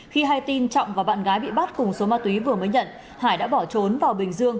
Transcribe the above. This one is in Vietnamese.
khi hai tin trọng và bạn gái bị bắt cùng số ma túy vừa mới nhận hải đã bỏ trốn vào bình dương